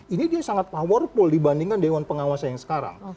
ini dia sangat powerful dibandingkan dewan pengawas yang sekarang